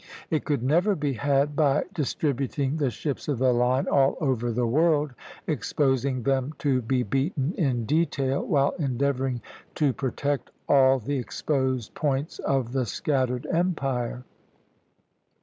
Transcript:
It could never be had by distributing the ships of the line all over the world, exposing them to be beaten in detail while endeavoring to protect all the exposed points of the scattered empire.